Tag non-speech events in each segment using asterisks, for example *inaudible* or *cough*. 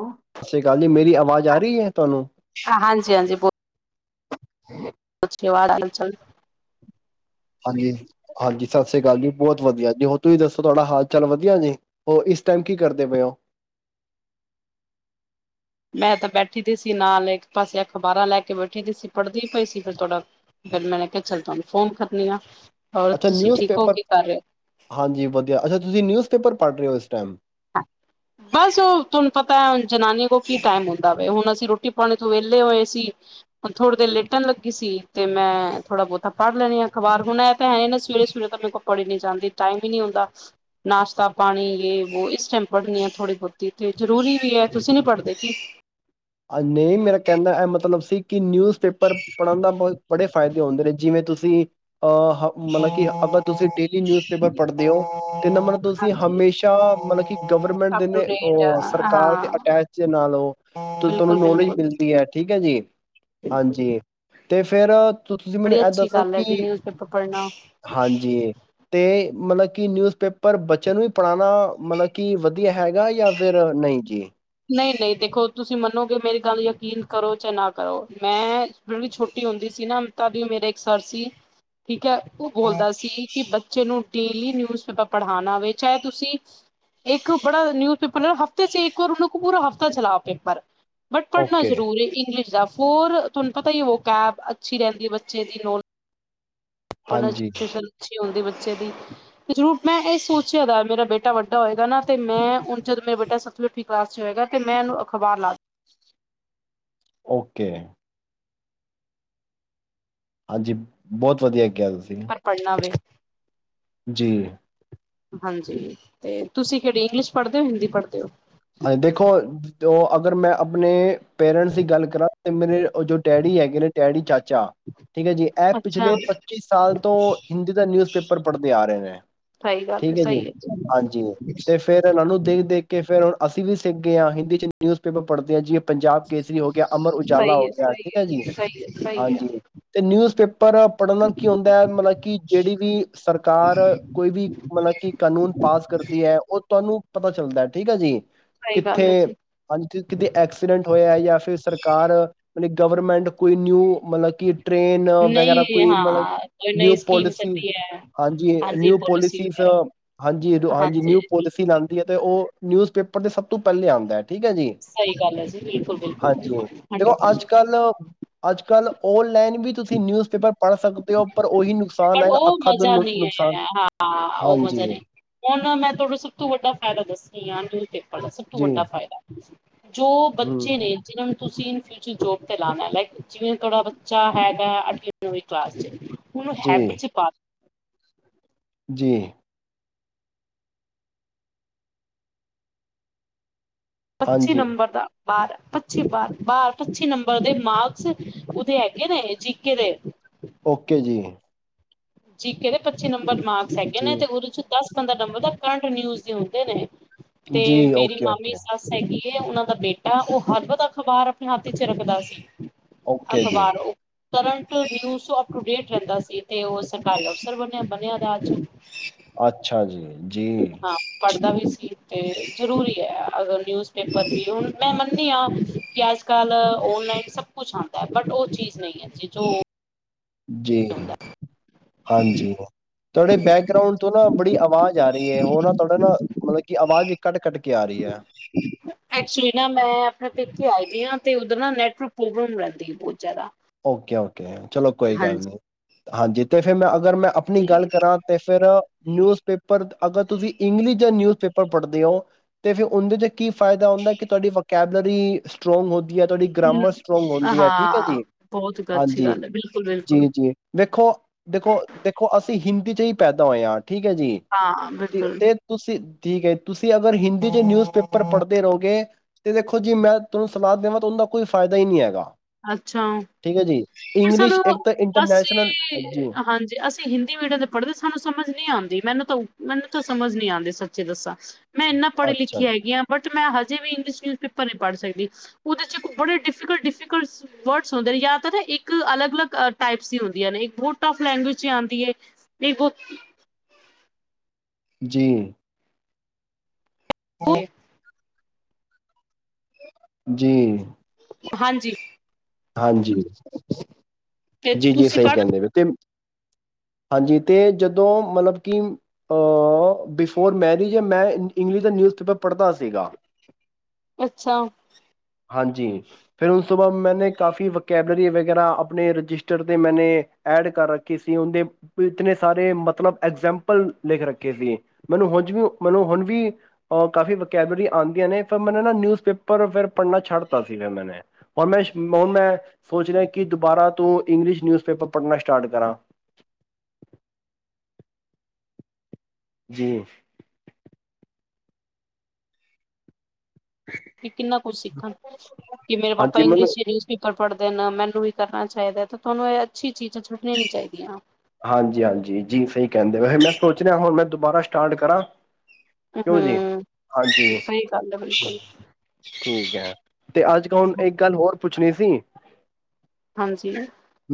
ਸਤਿ ਸ੍ਰੀ ਅਕਾਲ ਜੀ ਮੇਰੀ ਆਵਾਜ਼ ਆ ਰਹੀ ਹੈ। ਤੁਹਾਨੂੰ ਹਾਂਜੀ ਕੁਝ ਖਿਆਲ ਆਗੇ ਚੱਲ ਹਾਂਜੀ ਹਾਂਜੀ ਸਤਿ ਸ਼੍ਰੀ ਅਕਾਲ ਜੀ ਬਹੁਤ ਵਧੀਆ ਜੀ ਤੁਸੀਂ ਦੱਸੋ ਤੁਹਾਡਾ ਹਾਲ ਚਾਲ ਵਧੀਆ ਜੀ ਇਸ ਟਾਈਮ ਕੀ ਕਰਦੇ ਪਏ ੳ ਮੈਂ ਤਾਂ ਬੈਠੀ ਤੇ ਸੀ ਨਾਲ ਇੱਕ ਪਾਸੇ ਅਖਬਾਰਾਂ ਲੈ ਕੇ ਬੈਠੇ ਸੀ ਪੜਦੀ ਪਈ ਸੀ ਫਿਰ ਥੋੜਾ ਦਿਲ ਫੋਨ ਕਰਨੇ ਆ ਹੋਰ ਅੱਛਾ ਤੁਸੀਂ ਨਿਊਜ਼ ਠੀਕ ਹੋ ਪੇਪਰ ਕੀ ਕਰ ਰਹੇ ਹੋ ਹਾਂਜੀ ਵਧੀਆ ਅੱਛਾ ਤੁਸੀਂ ਨਿਊਜ਼ ਪੇਪਰ ਪੜ੍ਹ ਰਿਹ ਸੀ। ਟੈਮ ਆਲਸੋ ਤੁਹਾਨੂੰ ਪਤਾ ਜਨਾਨੀ ਕੋ ਕੀ ਟਾਈਮ ਹੁੰਦਾ। ਹੁਣ ਅਸੀਂ ਰੋਟੀ ਪਾਣੀ ਤੋਂ ਵੇਹਲੇ ਹੋਏ ਸੀ ਥੋੜੇ ਦੇ ਲਿਟਣ ਲੱਗੀ ਸੀ ਤੇ ਮੈਂ ਥੋੜਾ ਬਹੁਤਾ ਪੜ੍ਹ ਲੈਨੇ ਆ ਅਖਬਾਰ ਹੁਣ ਇਹ ਤਾਂ ਸਵੇਰੇ ਸਵੇਰੇ ਤਾਂ ਮੇਰੇ ਕੋਲ ਪੜੀ ਨਹੀਂ ਜਾਂਦੀ ਟਾਈਮ ਹੀ ਨਹੀਂ ਹੁੰਦਾ ਨਾਸ਼ਤਾ ਪਾਣੀ ਯੇ ਵੋ ਇਸ ਟਾਈਮ ਪੜ੍ਹਨੀ ਆ ਥੋੜ੍ਹੀ ਬਹੁਤੀ ਤੇ ਜਰੂਰੀ ਵੀ ਹੈ ਤੁਸੀਂ ਨੀ ਪੜ੍ਹਦੇ ਕੀ ਆ ਨਹੀਂ ਮੇਰਾ ਕਹਿੰਨ ਦਾ ਇਹ ਮਤਲਬ ਸੀ ਕਿ ਨਿਊਜ਼ ਪੇਪਰ ਪੜਨ ਦਾ ਬੜੇ ਫਾਇਦੇ ਹੁੰਦੇ ਨੇ ਜਿਵੇਂ ਤੁਸੀਂ ਆਹ ਮਤਲਬ ਕੀ ਅਗਰ ਤੁਸੀਂ ਡੇਲੀ ਨਿਜ ਪੇਪਰ ਪੜ੍ਹਦੇ ਹੋ ਇਨਾ ਮਲਬ ਤੁਸੀਂ ਹਾਂਜੀ ਹਮੇਸ਼ਾ ਮਤਲਬ government up to the date ਸਰਕਾਰ ਦੇ ਹਾਂ ਅਟੈਚ ਨਾਲ ਹੋ ਤੁਹਾਨੂੰ ਬਿਲਕੁਲ ਮੋਰਨਿੰਗ ਬਿਲਕੁਲ ਮਿਲਦੀ ਹੈ। ਠੀਕ ਹੈ ਜੀ ਹਾਂਜੀ ਤੇ ਫਿਰ ਤੋ ਤੁਸੀਂ ਮੈਨੂੰ ਬੜੀ ਇਹਦ ਅੱਛੀ ਦੱਸੋ ਗੱਲ ਹੈ ਕਿ ਜੀ ਨਿਊਜ਼ ਪੇਪਰ ਪੜ੍ਹਨਾ ਹਾਂਜੀ ਤੇ ਮਤਲਬ ਕੀ ਨਿਊਜ਼ਪੇਪਰ ਬੱਚਿਆਂ ਨੂੰ ਵੀ ਪੜ੍ਹਾਣਾ ਮਤਲਬ ਕਿ ਵਧੀਆ ਹੈਗਾ। ਜਾਂ ਫਿਰ ਨਹੀਂ ਜੀ ਨਹੀਂ ਨਹੀਂ ਦੇਖੋ ਤੁਸੀਂ ਮੰਨੋਗੇ ਮੇਰੀ ਗੱਲ ਯਕੀਨ ਕਰੋ ਚੇ ਨਾ ਕਰੋ ਮੈਂ ਜਿਹੜੀ ਛੋਟੀ ਹੁੰਦੀ ਸੀ ਤਦ ਵੀ ਉਹ ਮੇਰੇ ਇੱਕ ਸਰ ਸੀ ਠੀਕ ਹੈ। ਉਹ ਬੋਲਦਾ ਸੀ ਕਿ ਬਚ ਜੇ ਕਿਉਂਕਿ ਨਿਊਜ਼ਪੇਪਰ ਪੜ੍ਹਾਣਾ ਹੋਵੇ ਚਾਹੇ ਤੁਸੀਂ ਇੱਕ ਬੜਾ ਨਿਊਜ਼ਪੇਪਰ ਹਫ਼ਤੇ ਇੱਕ ਵਾਰ ਉਹਨੂੰ ਪੂਰਾ ਹਫ਼ਤਾ ਚਲਾ ਪੇਪਰ ਬਟ ਕਿਉਂ ਓਕੇ, ਜਰੂਰ ਇੰਗਲਿਸ਼ ਰਾਜ ਹੋਰ ਤੁਹਾਨੂੰ ਪਤਾ ਹੀ ਉਹ ਕੈਬ ਅੱਛੀ ਰਹਿੰਦੀ ਹੈ ਬੱਚੇ ਦੀ ਹਾਂਜੀ, *unintelligible* ਹੁੰਦੀ ਬੱਚੇ ਦੀ, ਜਰੂਰ ਮੈਂ ਇਹ ਸੋਚਿਆ ਮੇਰਾ ਬੇਟਾ ਵੱਡਾ ਹੋਏਗਾ ਨਾ ਤੇ ਮੈਂ ਹੁਣ ਜਦ ਮੇਰਾ ਬੇਟਾ ਸਤਵੀ ਅੱਠੀ ਕਲਾਸ ਚ ਹੋਏਗਾ ਤੇ ਮੈਂ ਇਹਨੂੰ ਅਖਬਾਰ ਲਾ ਓਕੇ ਹਾਂਜੀ, ਬਹੁਤ ਵਧੀਆ। ਕਿਹਾ ਤੁਸੀਂ ਪਰ ਪੜ੍ਹਨਾ ਵੇ ਜੀ। ਹਾਂਜੀ, ਤੇ ਤੁਸੀਂ ਕਿਹੜੀ ਇੰਗਲਿਸ਼ ਪੜ੍ਹਦੇ ਹੋ, ਹਿੰਦੀ ਪੜ੍ਹਦੇ ਹੋ? ਹਾਂਜੀ, ਦੇਖੋ ਅਗਰ ਮੈਂ ਆਪਣੇ ਪੇਰੈਂਟਸ ਦੀ ਗੱਲ ਕਰਾਂ, ਤੇ ਮੇਰੇ ਉਹ ਜੋ ਡੈਡੀ ਹੈਗੇ ਨੇ ਡੈਡੀ ਚਾਚਾ ਠੀਕ ਹੈ ਜੀ ਇਹ ਅੱਛਾ ਪਿਛਲੇ ਪੱਚੀ ਸਾਲ ਤੋਂ ਹਿੰਦੀ ਦਾ ਨਿਊਜ਼ ਪੇਪਰ ਪੜ੍ਹਦੇ ਆ ਰਹੇ ਨੇ ਸਹੀ ਗੱਲ ਠੀਕ ਹੈ ਜੀ ਸਹੀ ਹਾਂਜੀ, ਤੇ ਫੇਰ ਇਹਨਾਂ ਨੂੰ ਦੇਖ-ਦੇਖ ਕੇ ਫਿਰ ਅਸੀਂ ਵੀ ਸਿਖ ਗਏ ਹਾਂ ਹਿੰਦੀ 'ਚ ਨਿਊਜ਼ਪੇਪਰ ਪੜ੍ਹਦੇ ਹਾਂ ਜੀ। ਪੰਜਾਬ ਕੇਸਰੀ ਹੋ ਗਿਆ, ਅਮਰ ਉਜਾਲਾ ਸਹੀ ਹੋ ਹੈ ਗਿਆ ਸਹੀ ਠੀਕ ਹੈ ਜੀ ਸਹੀ ਹੈ ਸਹੀ ਹੈ ਹਾਂਜੀ, ਤੇ ਨਿਊਜ਼ ਪੇਪਰ ਪੜ੍ਹਨਨ ਨਾਲ ਕੀ ਹੁੰਦਾ ਹੈ ਮਤਲਬ ਕਿ ਜਿਹੜੀ ਵੀ ਸਰਕਾਰ ਕੋਈ ਵੀ ਮਤਲਬ ਕਿ ਕਾਨੂੰਨ ਪਾਸ ਕਰਦੀ ਹੈ ਉਹ ਤੁਹਾਨੂੰ ਪਤਾ ਚੱਲਦਾ ਠੀਕ ਹੈ ਜੀ। ਸਹੀ ਕਿੱਥੇ ਗੱਲ ਹੈ ਜੀ ਹਾਂਜੀ ਕਿਤੇ ਐਕਸੀਡੈਂਟ ਹੋਇਆ ਜਾਂ ਫਿਰ ਸਰਕਾਰਤਬ ਗਵਰਮੈਂਟ ਕੋਈ ਨਿਊ ਮਤਲਬ ਕਿ ਟਰੇੇਨ ਵਗੈਰਾ ਨਹੀਂ ਕੋਈ ਮਤਲਬ ਹਾਂ ਕੋਈ ਨਿਊ ਨਈ ਸਕੀਮ ਪੋਲਿਸੀ ਚੱਲੀ ਹੈ ਹਾਂਜੀ ਨਿਊ ਪੋਲਿਸੀ ਪੋਲਿਸੀਜ਼ ਵਗੈਰਾ ਹਾਂਜੀ-ਹਾਂਜੀ, ਨਿਊ ਹਾਂਜੀ ਪੋਲਿਸੀ ਲਿਆਉਂਦੀ ਹੈ ਤੇ ਉਹ ਨਿਊਜ਼ ਆਪਾ ਦੇ ਸ ਤੋ ਪਹਿਲੇ ਆਉਂਦਾ ਹੈ ਠੀਕ ਹੈ ਜੀ ਸਹੀ ਗੱਲ ਹੈ ਜੀ ਬਿਲਕੁਲ ਬਿਲਕੁਲ ਹਾਂਜੀ, ਦੇਖੋ ਹੰਡਰਡ ਪਰਸੈਂਟ ਅੱਜ-ਕੱਲ ਅੱਜ-ਕੱਲ ਓਨਲਾਈਨ ਵੀ ਤੁਸੀ ਨਿਊਜ਼ਪੇਪਰ ਪੜ੍ਹ ਸਕਦੇ ਹੋ ਉਹੀ ਨੁਕਸਾਨ ਪਰ ਹੈਗਾ ਉਹ ਅੱਖਾਂ ਦਾ ਮਜ਼ਾ ਨੁ- ਨੀ ਨੁਕਸਾਨ ਆ ਹਾਂ ਉਹ ਹਾਂਜੀ ਮਜ਼ਾ ਨਹੀਂ ਹੁਣਨਾ ਮੈਂ ਤੁਹਾਡਾ ਸਭ ਤੋਂ ਵੱਡਾ ਫਾਇਦਾ ਦੱਸਣੀ ਆ ਨਿਊਜ਼ ਦੇ। ਦਾ ਸਭ ਤੋਂ ਜੀ ਵੱਡਾ ਫਾਇਦਾ ਜੋ ਹੂੰ ਬੱਚੇ ਨੇ ਜਿਹਨਾਂ ਨੂੰ ਤੁਸੀਂ ਇਨ ਫਿਊਚਰ ਜੋਬ ਤੇ ਲਾਉਣਾ ਲਾਈਕ ਜਿਵੇਂ ਤੁਹਾਡਾ ਬੱਚਾ ਹੈਗਾ ਅੱ ਕਲਾਸ ਚ ਉਹਨੂੰ ਜੀ ਹੈਬਿਟ ਚ ਪਾ ਜੀ। ਪੱਚੀ ਹਾਂਜੀ ਨੰਬਰ ਦਾ ਬਾਰ ਪੱਚੀ ਬਾਰ-ਬਾਰ ਪੱਚੀ ਨੰਬਰ ਦੇ ਮਾਰਕਸ ਉਹਦੇ ਹੈਗੇ ਨੇ ਜੀਕੇ ਦੇ। ਓਕੇ ਜੀ। ਜੀ ਕਹਿੰਦੇ ਪੱਚੀ ਨੰਬਰ ਮਾਰ ਹੈਗੇ ਨੇ ਜੀ ਤੇ ਉਹਦੇ ਚ ਦਸ-ਪੰਦਰਾਂ ਨੰਬਰ ਦਾ ਕਰੰਟ ਨਿਊਜ ਦੇ ਹੁੰਦੇ ਨੇ। ਤੇ ਜੀ ਮੇਰੀ ਓਕੇ ਮਾਮੀ ਓਕੇ ਸੱਸ ਹੈਗੀ ਕੇ ਉਹ ਦਾ ਬੇਟਾ ਉਹ ਹਰਬ ਅਖਬਾਰ ਆਪਣੇ ਹੱਥ ਰੱਖਦਾ ਸੀ। ਓਕੇ ਜੀ। ਅਖ਼ਬਾਰ ਉਹ ਕਰੰਟ ਵਿਊਜ ਤੋ ਅਪਟੂ ਡੇਟ ਰਹਿੰਦਾ ਸੀ ਤੇ ਸਰਕਾਰੀ ਅਫਸਰ ਬਣਿਆ, ਬਣਿਆ ਅਜ। ਅੱਛਾ, ਜੀ- ਜੀ। ਹਾਂ ਪੜ੍ਹਦਾ ਵੀ ਤੇ ਜ਼ਰੂਰੀ ਹੈ, ਅਗਰ ਨਿਊਜ਼ਪੇਪਰ ਵੀ ਹੁਣ ਮੈਂ ਮੰਨਨੀ ਹਾਂ ਕਿ ਅਜ-ਕੱਲ੍ਹ ਔਨਲਾਈਨ ਸਭ ਕੁਛ ਆਦਾਂ ਹੈ, ਬਟ ਉਹ ਚੀਜ਼ ਨਹੀਂ ਹੈ ਜੀ ਜੋ ਜੀ ਹਾਂਜੀ ਤੁਹਾਡੇ ਬੈਕਗਰਾਉਂਡ ਤੋਂ ਨਾ ਬੜੀ ਆਵਾਜ਼ ਆ ਰਹੀ ਹੈ ਉਹ ਨਾ ਤੁਹਾਡਾ ਨਾ ਮਤਲਬ ਕਿ ਆਵਾਜ਼ ਵੀ ਕੱਟ ਕੱਟ ਕੇ ਆ ਰਹੀ ਹੈ ਐਕਚੁਲੀ ਨਾ ਮੈਂ ਆਪਣੇ ਇੱਥੇ ਆਏ ਦੀਾਂ ਤੇ ਉੱਧਰ ਨਾ ਨੈਟਵਰਕ ਪ੍ਰੋਬਲਮ ਰਹਿੰਦੀ ਹੈ ਬਹੁਤ ਜ਼ਿਆਦਾ ਓਕੇ ਓਕੇ ਚਲੋ ਕੋਈ ਗੱਲ ਨੀ ਹਾਂਜੀ ਤੇ ਫਿਰ ਮੈਂ ਅਗਰ ਮੈਂ ਆਪਣੀ ਹਾਂਜੀ ਗੱਲ ਕਰਾਂ ਤੇ ਫਿਰ ਨਿਊਜ਼ ਪੇਪਰ ਅਗਰ ਤੁਸੀਂ ਇੰਗਲਿਸ਼ ਜਾਂ ਨਿਊਜ਼ ਪੇਪਰ ਪੜ੍ਹਦੇ ਹੋ ਤੇ ਫਿਰ ਉਹਦੇ ਚ ਕੀ ਫਾਇਦਾ ਹੁੰਦਾ ਕਿ ਤੁਹਾਡੀ ਵ ਕੈਬਲਰੀ ਸਟ੍ਰੋਂਗ ਹੋ ਤੁਹਾਡੀ ਗ੍ਰਾਮਰ ਸਟਰ੍ਰੋਂਗ ਹੁੰਦੀ ਹੈ ਠੀਕ ਹੈ ਹਾਂ ਜੀ ਬਹੁਤ ਅੱਛੀ ਹਾਂਜੀ ਗੱਲ ਹੈ ਬਿਲਕੁਲ ਜੀ ਬਿਲਕੁਲ ਜੀ ਵੇਖੋ ਦੇਖੋ ਦੇਖੋ ਅਸੀਂ ਹਿੰਦੀ ਚ ਹੀ ਪੈਦਾ ਹੋਏਆ ਆਟ ਠੀਕ ਹੈ ਜੀ ਹਾਂ, ਤੇ ਬਿਲਕੁਲ ਤੇ ਤੁਸੀਂ ਠੀਕ ਹੈ ਤੁਸੀਂ ਅਗਰ ਹਿੰਦੀ 'ਚ ਨਿਊਜ਼ ਪੇਪਰ ਪੜ੍ਹਦੇ ਰਹੋਗੇ ਤੇ ਦੇਖੋ ਜੀ ਮੈਂ ਤੁਹਾਨੂੰ ਸਲਾਹ ਦੇਵਾਂ ਤਾਂ ਉਹਦਾ ਕੋਈ ਫਾਇਦਾ ਹੀ ਨਹੀਂ ਹੈਗਾ ਅੱਾ ਅੱਛਾ ਠੀਕ ਹੈ ਜੀ ਪਰ ਇੰਗਲਿਸ਼ ਸਾਨੂੰ ਇੱਕ ਤਾਂ ਇੰਟਰਨੈਸ਼ਨਲ ਅਸੀਂ ਜੀ ਹਾਂਜੀ ਅਸੀਂ ਹਿੰਦੀ ਮੀਡੀਅਮ ਤੇ ਪੜ੍ਹਦੇ ਸਾਨੂੰ ਸਮਝ ਨਹੀਂ ਆਉਂਦੀ ਮੈਨੂੰ ਤਾਂ ਮੈਨੂੰ ਤਾਂ ਸਮਝ ਨੀ ਆਉਂਦੀ ਸੱਚੇ ਦੱਸਾਂ ਮੈਂ ਇੰਨਾ ਪੜ੍ਹ ਲਿਖ ਅੱਛਾ ਹੈਗੀਾਂ ਬਟ ਮੈਂ ਹਜੇ ਵੀ ਇੰਗਲਸ਼ ਨਿਊਜ਼ਪੇਪਰ ਨਹੀਂ ਪੜ੍ਹ ਸਕਦੀ ਉਹਦੇ ਚ ਇੱਕ ਬੜੇ ਡਿਫੀਕਟ ਡਿਫਲ ਵਰਡਸ ਹੁੰਦੇ ਨੇ ਜਾਂ ਤਾਂ ਨਾ ਇੱਕ ਅਲੱਗ ਅਲੱਗ ਟਾਈਪਸ ਦੀਆਂ ਹੁੰਦੀਆਂ ਨੇ ਇੱਕ ਬਹੁਤ ਟਫ ਲੈਂਗੁਏਜ ਚ ਆਉਂਦੀ ਹੈ ਇੱਕ ਬਹੁਤ ਜੀ ਹਾਂ ਜੀ ਹਾਂਜੀ ਹਾਂਜੀ ਤੇ ਜੀ ਜੀ ਤੁਸੀਂ ਸਹੀ ਪੜ੍ਹ ਕਹਿੰਦੇ ਵੀ ਤੇ ਹਾਂਜੀ ਤੇ ਜਦੋਂ ਮਤਲਬ ਕਿ ਅਹ ਬਿਫੋਰ ਮੈਰਿਜ ਮੈਂ ਇੰਗਲਿਸ਼ ਦਾ ਨਿਊਜ਼ਪੇਪਰ ਪੜ੍ਹਦਾ ਸੀਗਾ ਅੱਛਾ, ਹਾਂਜੀ ਫੇਿਰ ਉਸ ਸੁ ਬਾਅ ਮੈਂ ਕਾਫੀ ਵਕੈਬਲਰੀ ਵਗੈਰਾ ਆਪਣੇ ਰਜਿਸਟਰ ਤੇ ਮੈ ਐਡ ਕਰ ਰੱਖੀ ਸੀ ਉਹਦੇ ਇਤੇ ਸਾਰੇ ਮਤਲਬ ਐਗਜਾਮਪਲ ਲਿਖ ਰੱਖੇ ਸੀ ਮੈਨੂੰ ਹ ਮੈਨੂੰ ਹੁਣ ਵੀ ਅ ਕਾਫੀ ਵਕੈਬਲਰੀ ਆਉਂਦੀਆਂ ਨੇ ਫਿਰ ਮੈਨ ਨਾ ਨਿਊਜ਼ ਪੇਪਰ ਫਿਰ ਪੜ੍ਹਨਾ ਛੱਡਤਾ ਸੀ ਫਿਰ ਮੈਂ ਪੰੈਸ਼ ਹੁਣ ਮੈਂ ਸੋਚ ਰਿਹਾ ਕਿ ਦੁਬਾਰਾ ਤੂੰ ਇੰਗਲਿਸ਼ ਨਿਊਜ਼ਪੇਪਰ ਪੜ੍ਹਨਾ ਸਟਾਰਟ ਕਰਾਂ ਜੀ ਕਿ ਕਿੰਨਾ ਕੁਛ ਸਿੱਖਣ ਕਿ ਮੇਰੇ ਪਾਪਾ ਹਾਂਜੀ ਇੰਗਲਿਸ਼ ਮੈਨੂੰ ਚ ਨਿਊਜ਼ ਪੇਪਰ ਫੜਦੇ ਨੇ ਮੈਨੂੰ ਵੀ ਕਰਨਾ ਚਾਹੀਦਾ ਹੈ ਤਾਂ ਤੁਹਾਨੂੰ ਇਹ ਅੱਛੀ ਚੀਜ਼ ਹਾਂਜੀ ਹਾਂਜੀ ਜੀ ਸਹੀ ਕਹਿੰਦੇ ਵੈਸੇ ਮੈਂ ਸੋਚ ਰਿਹਾ ਹੁਣ ਮੈਂ ਦੁਬਾਰਾ ਸਟਾਰਟ ਕਰਾਂ ਹਮ ਕਿਉਂ ਜੀ ਹਾਂਜੀ ਸਹੀ ਗੱਲ ਹੈ ਬਿਲਕੁਲ ਠੀਕ ਹੈ ਤੇ ਅੱਜ ਕ ਹੁਣ ਇੱਕ ਗੱਲ ਹੋਰ ਪੁੱਛਣੀ ਸੀ ਸੀ ਹਾਂਜੀ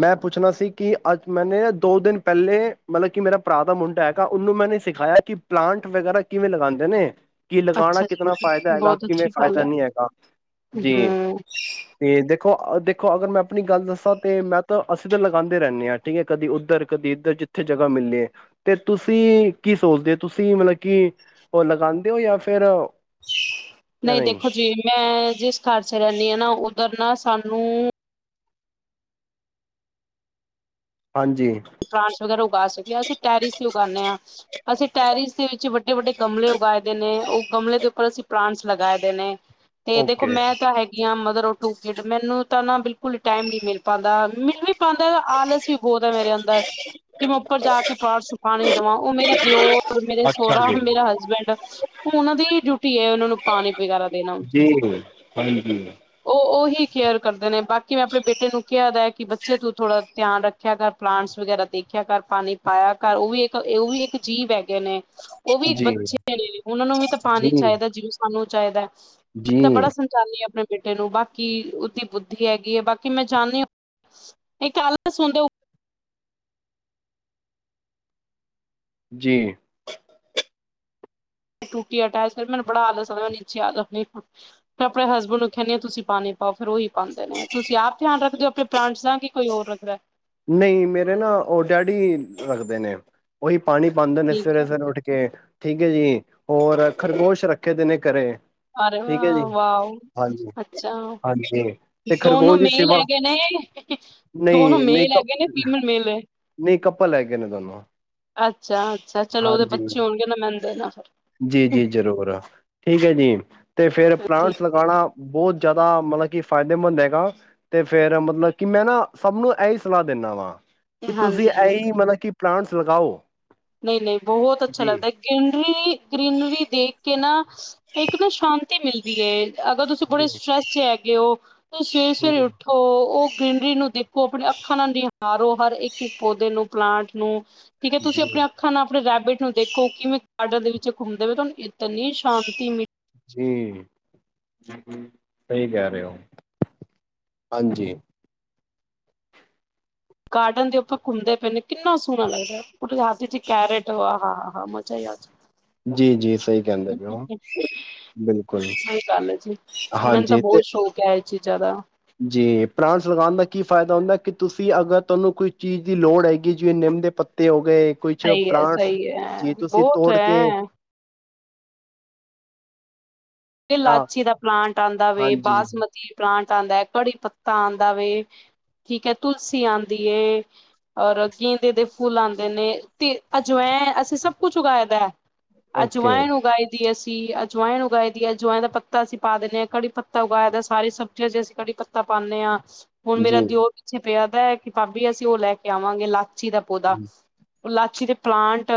ਮੈਂ ਪੁੱਛਣਾ ਸੀ ਕਿ ਅੱਜ ਮੈਨੇ ਦੋ ਦਿਨ ਪਹਿਲੇ ਮਤਲਬ ਕਿ ਮੇਰਾ ਭਰਾ ਦਾ ਮੁੰਡਾ ਹੈਗਾ ਉਹਨੂੰ ਮੈੇ ਸਿਖਾਇਆ ਕਿ ਪਲਾਂਟ ਵਗੈਰਾ ਕਿਵੇਂ ਲਗਾਉਂਦੇ ਨੇ ਕਿ ਲਗਾਉਣਾ ਅੱਛਾ ਜੀ ਕਿਤਨਾ ਫਾਇਦਾ ਹੈਗਾ ਬਹੁਤ ਕਿਵੇਂ ਅੱਛੀ ਗੱਲ ਫਾਇਦਾ ਹੈ। ਨਹੀਂ ਹੈਗਾ ਜੀ ਹੂੰ ਤੇ ਦੇਖ ਦੇਖੋ ਦੇਖੋ ਅਗਰ ਮੈਂ ਆਪਣੀ ਗੱਲ ਦੱਸਾਂ ਤੇ ਮੈਂ ਤਾਂ ਅਸੀਂ ਤਾਂ ਲਗਾਉਦੇ ਰਹਿੰਦੇ ਆ ਠੀਕ ਹੈ ਕਦੀ ਉੱਧਰ ਕਦੀ ਇਧਰ ਜਿੱਥੇ ਜਗ੍ਹਾ ਮਿਲਲੇ ਹੈ ਤੇ ਤੁਸੀਂ ਕੀ ਸੋਚਦੇ ਹੋ ਤੁਸੀਂ ਮਤਲਬ ਕਿ ਉਹ ਲਗਾਉਂਦੇ ਹੋ ਜਾਂ ਫਿਰ ਨਹੀਂ ਦੇਖੋ ਜੀ ਮੈਂ ਜਿਸ ਘਰ ਚ ਰਹਿੰਦੀ ਹਾਂ ਨਾ ਉੱਧਰ ਨਾ ਸਾਨੂੰ ਹਾਂਜੀ ਫਰਾਂਸ ਵਗੈਰਾ ਉਗਾ ਸਕੀਏ ਅਸੀਂ ਟੈਰਿਸ ਹੀ ਉਗਾਉਂਦੇ ਹਾਂ ਅਸੀਂ ਟੈਰਿਸ ਦੇ ਵਿੱਚ ਵੱਡੇ ਵੱਡੇ ਗਮਲੇ ਉਗਾਏ ਦੇ ਨੇ ਉਹ ਗਮਲੇ ਦੇ ਉੱਪਰ ਅਸੀਂ ਪਲਾਂਟਸ ਲਗਾਏ ਦੇ ਨੇ ਤੇ ਦੇਖੋ ਓਕੇ ਮੈਂ ਤਾਂ ਹੈਗੀ ਮਦਰ ਟੂ ਗੇਟ ਮੈਨੂੰ ਤਾਂ ਨਾ ਬਿਲਕੁਲ ਟਾਈਮ ਨੀ ਮਿਲ ਪਾਉਂਦਾ ਮਿਲ ਵੀ ਪਾਉਂਦਾ ਆਲਸ ਵੀ ਬਹੁਤ ਕਿ ਮੈਂ ਉੱਪਰ ਜਾ ਕੇ ਪਾੜ ਚ ਪਾਣੀ ਦੇਵਾਂ ਉਹ ਮੇਰਾ ਦਿਓ ਮੇਰੇ ਅੱਛਾ ਸਹੁਰਾ ਜੀ ਮੇਰਾ ਹਸਬੈਂਡ ਉਹਨਾਂ ਦੀ ਡਿਊਟੀ ਹੈ ਉਹਨਾਂ ਨੂੰ ਪਾਣੀ ਵਗੈਰਾ ਦੇਣਾ ਜੀ ਉਹ ਉਹਹੀ ਕੇਅਰ ਕਰਦੇ ਨੇ ਬਾਕੀ ਮੈਂ ਆਪਣੇ ਬੇਟੇ ਨੂੰ ਕਿਹਾ ਕਿ ਬੱਚੇ ਤੂੰ ਥੋੜ੍ਹਾ ਧਿਆਨ ਰੱਖਿਆ ਕਰ ਪਲਾਂਟਸ ਵਗੈਰਾ ਦੇਖਿਆ ਕਰ ਪਾਣੀ ਪਾਇਆ ਕਰ ਉਹ ਵੀ ਇੱਕ ਉਹ ਵੀ ਇੱਕ ਜੀਵ ਹੈਗੇ ਨੇ ਉਹ ਵੀ ਇੱਕ ਜੀ ਬੱਚੇ ਨੇ ਉਹਨਾਂ ਨੂੰ ਵੀ ਤਾਂ ਜੀ, ਪਾਣੀ ਚਾਹੀਦਾ ਜਿਹੂੰ ਸਾਨੂੰ ਚਾਹੀਦਾ ਮੈਂ ਤਾਂ ਬੜਾ ਜੀ। ਸੰਚਾਲਨੀ ਆਪਣੇ ਬੇਟੇ ਨੂੰ ਬਾਕੀ ਉਹਦੀ ਬੁੱਧੀ ਹੈਗੀ ਹੈ ਬਾਕੀ ਮੈਂ ਚਾਨੀ ਹ ਇਹ ਆਲ ਸੁ ਹਣਦੇ ਜੀ ਟੂਟੀ ਅਟੈਚ ਕਰ ਮੈਨੂੰ ਬੜਾ ਆਲਸ ਆਂ ਮੈਂ ਨੀਚੇ ਆ ਆਪਣੇ ਹਸਬੈਂਡ ਨੂੰ ਕਹਿੰ ਤੁਸੀਂ ਪਾਣੀ ਪਾਓ ਫਿਰ ਉਹੀ ਪਾਉਂਦੇ ਨੇ ਤੁਸੀਂ ਆਪ ਧਿਆਨ ਰੱਖਦੇ ਹੋ ਆਪਣੇ ਪਲਾਂਟਸ ਦਾ ਕਿ ਕੋਈ ਹੋਰ ਰੱਖਦਾ ਨਹੀਂ ਮੇਰੇ ਨਾ ਉਹ ਡੈਡੀ ਰੱਖਦੇ ਨੇ ਉਹੀ ਪਾਣੀ ਪਾਉਂਦੇ ਨੇ ਠੀਕ ਸਵੇਰੇ ਹੈ ਸਵੇਰੇ ਉੱਠ ਕੇ ਠੀਕ ਹੈ ਜੀ ਹੋਰ ਖਰਗੋਸ਼ ਰੱਖੇ ਦੇ ਨੇ ਘਰੇ ਅਰੇ ਠੀਕ ਐ ਜੀ। ਵ ਹਾਂਜੀ, ਵ ਅੱਛਾ, ਹਾਂਜੀ। ਤੇ ਦੋਨੋ ਖਰਗੋਸ਼ ਦੀ ਮੇਲ ਸੇਵਾ ਹੈਗੇ ਨੇ, ਦੋਨੋ ਮੇਲ ਹੈਗੇ ਨੇ ਫੀਮਲ ਮੇਲੇ ਨਹੀਂ ਕੱਪਲ ਹੈਗੇ ਨੇ, ਦੋਨੋ। ਅੱਛਾ। ਹਾਂਜੀ, ਜੀ, ਜੀ ਜ਼ਰੂਰ, ਠੀਕ ਹੈ ਜੀ। ਤੇ ਫਿਰ ਪਲਾਂਟਸ ਲਗਾਣਾ, ਬਹੁਤ ਜ਼ਿਆਦਾ ਮਤਲਬ ਕਿ, ਫਾਇਦੇਮੰਦ ਹੈਗਾ, ਤੇ ਫਿਰ ਮਤਲਬ ਕਿ, ਮੈਂ ਨਾ ਸਭ ਨੂੰ ਇਹੀ ਸਲਾਹ ਦਿੰਦਾ ਵਾਂ। ਵੀ ਤੁਸੀਂ ਹਾਂਜੀ ਇਹੀ ਮਤਲਬ ਕਿ, ਪਲਾਂਟਸ ਲਗਾਓ। ਨਹੀਂ, ਨਹੀਂ ਬਹੁਤ ਅੱਛਾ ਜੀ ਲੱਗਦਾ, ਗ੍ਰੀਨਰੀ- ਗ੍ਰੀਨਰੀ ਦੇਖ ਕੇ ਨਾ ਇੱਕ ਨਾ ਸ਼ਾਂਤ ਤੇ ਮਿਲਦੀ ਏ ਅਗਰ ਤੁਸੀਂ ਜੀ ਬੜੇ ਸਟਰ੍ਰੈੱਸ ਚ ਹੈਗੇ ਹੋ? ਸਵੇਰੇ ਹੂੰ -ਸਵੇਰੇ ਉੱਠੋ। ਉਹ ਗ੍ਰਰੀਨਰੀ ਨੂੰ ਦੇਖੋ, ਆਪਣੇ ਅੱਖਾਂ ਨਾਲ ਨਿਹਾਰੋ, ਹਰ ਇੱਕ- ਇੱਕ ਪੌਦੇ ਨੂੰ, ਪਲਾਂਟ ਨੂੰ। ਠੀਕ ਏ ਜੀ ਤੁਸੀਂ ਆਪਣੇ ਆਪ ਆਪਣੇ ਰੈਬਿਟ ਨੂੰ ਦੇਖੋ, ਕਿਵੇਂ ਗਾਰਡਨ ਦੇ ਵਿੱਚ ਘੁੰਮ ਦੇਵੇ, ਤੁਹਾਨੂੰ ਇਤਨੀ ਸ਼ਾਂਤੀ ਮਿਲੀ ਜ ਸਹੀ ਕਹਿ ਰਹੇ ਹੋ ਹਾਂਜੀ *inaudible* ਗਾਰਡਨ ਦੇ ਉੱਪਰ ਘੁੰਮਦੇ ਪਏ ਨੇ, ਕਿੰਨਾ ਸੋਹਣਾ ਲੱਗਦੈ ਕੈਰਟ ਆ ਹ ਮਜ਼ਾ ਹੀ ਆ ਜੀ ਜੀ ਸਹੀ ਕਹਿੰਦੇ ਪਏ ਹੋ ਬਿਲਕੁਲ ਹੀ ਗੱਲ ਜੀ ਮੈਨੂੰ ਤਾਂ ਹਾਂਜੀ ਤੇ ਬਹੁਤ ਸ਼ੌਕ ਹੈ *unintelligible* ਅੱ ਜ਼ਿਆਦਾ *inaudible* ਜੀ ਪਲਾਂਟਸ ਲਗਾਉਣ ਦਾ ਕੀ ਫਾਇਦਾ ਹੁੰਦਾ ਕਿ, ਤੁਸੀਂ ਅਗਰ ਤੁਹਾਨੂੰ ਕੋਈ ਚੀਜ਼ ਦੀ ਲੋੜ ਹੈਗੀ, ਜਿਵੇਂ ਨਿੰਮ ਦੇ ਪੱਤੇ ਹੋ ਗਏ ਕੁਛ ਸਹੀ ਹੈ ਪ੍ਰਾਂਟ ਸਹੀ ਹੈ ਜੇ ਤੁਸੀਂ ਬਹੁਤ ਤੋੜ ਕੇ *inaudible* ਹੈ ਹਾਂ ਇਲਾਚੀ ਦਾ ਪਲਾਂਟ ਆੰਦਾ ਵੇ, ਹਾਂਜੀ ਬਾਸਮਤੀ ਪਲਾਂਟ ਆਉਂਦਾ ਹੈ, ਕੜੀ ਪੱਤਾ ਆਉਂਦਾ ਵ, ਠੀਕ ਹੈ ਤੁਲਸੀ ਆਉਂਦੀ ਹੈ, ਔਰ ਗੇਂਦੇ ਦੇ ਫੁੱਲ ਆਉਂਦੇ ਨੇ, ਤੇ ਅਜਵੈਂ, ਅਸੀਂ ਸਭ ਕੁਛ ਉਗਾਏ ਦਾ ਹੈ। ਓਕੇ ਅਜੁਵਾਇਣ ਉਗਾਈ ਦੀਈ। ਸੀ ਅਜਵਾਇਨ ਉਗਾਏ ਜੁਆਇਆਂ ਦਾ ਪੱਤਾ ਅਸੀਂ ਪਾ ਦਿੰਨੇ ਹਾਂ, ਕੜੀ ਪੱਤਾ ਉਗਾਾਇਏਦਾ, ਸਾਰੀ ਸਬਜ਼ੀਆਂ ਜੇ ਅਸੀਂ ਕੜੀ ਪੱਤਾ ਪਾਂਦੇ ਹਾਂ। ਹੁਣ ਮੇਰਾ ਜੀ ਦਿਓਰ ਪਿੱਛੇ ਪਿਆਦੈ, ਕਿ ਭਾਬੀ ਅਸੀਂ ਉਹ ਲੈ ਕੇ ਆਵਾਂਗੇ। ਲੱਖ ੱਚੀ ਦਾ ਪਦਾ ਜੀ *inaudible* ਇਲਾਚੀ ਦੇ ਪਲਾਂਟ?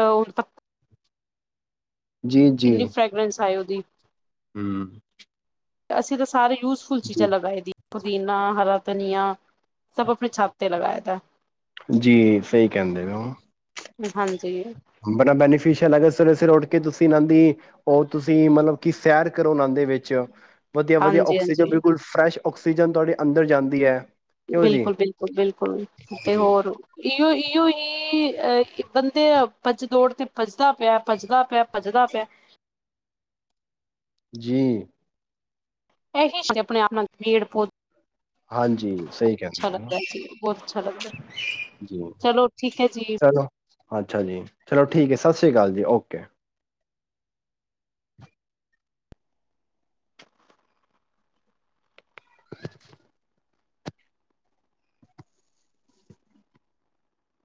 ਜੀ ਜੀ ਕਿੰਨੀ ਫਰੈਗਰੈਂਸ ਆਏ ਜੀ ਹੂੰ ਤੇ ਅਸੀਂ ਦੱਸ ਸਾਰੇ ਯੂਜਫੁਲ ਚੀਜ਼ਾਂ ਜੀ ਲਗਾਏ ਦੀ ਪ ਪੁਦੀਨਾ ਹਰਾ ਧਨੀਆ ਸਭ ਆਪਣੀ ਛਾਤ ਤੇ ਲਗਾਏ ਦਾ ਜੀ ਸਹੀ ਕਹਿੰਦੇ ਨੇ ਹਾਂਜੀ। ਬੜਾ ਬੈਨੀਫਿਸ਼ਅਲ ਹੈਗਾ ਸਵੇਰੇ ਸਵੇਰੇ ਉੱਠ ਕੇ ਤੁਸੀਂ ਇਹ ਦੀ ਉਹ ਤੁਸੀਂ ਮਤਲਬ ਕਿ ਸੈਰ ਕਰੋ ਨ ਦੇ ਵਿੱਚ ਵਧੀਆ ਵਧੀਆ ਹਾਂਜੀ, ਆਕਸੀਜਨ ਹਾਂਜੀ ਬਿਲਕੁਲ ਫਰੈਸ਼ ਔਕਸੀਜਨ ਤੁਹਾਡੇ ਅੰਦਰ ਜਾਂਦੀ ਹੈ। ਕਿਉਂ ਜੀ। ਬਿਲਕੁਲ ਬਿਲਕੁਲ ਬਿਲਕੁਲ ਤੇ ਹਾਂਜੀ। ਹੋਰ ਇਉ ਇਉ ਹੀ ਅਹ ਬੰਦੇ ਭੱਜ ਦੌੜ ਤੇ ਭੱਜਦਾ ਪਿਆ ਭੱਜਦਾ ਪਿਆ ਭੱਜਦਾ ਪਿਆ ਜੀ ਇਹੀ ਆਪਣੇ ਆਪ ਪੇੜ ਪੌਦੇ ਹਾਂਜੀ ਸਹੀ ਕਹਿੰਦੇ ਨ ਲੱਗਦਾ ਸੀ ਬਹੁਤ ਅੱਛਾ ਲਗਦਾ। ਚਲੋ ਠੀਕ ਹੈ ਜੀ। ਚਲੋ ਅੱਛਾ ਜੀ ਚਲੋ ਠੀਕ ਹੈ ਸਤਿ ਸ਼੍ਰੀ ਅਕਾਲ ਜੀ। ਓਕੇ ਹਮਂ ਜੀ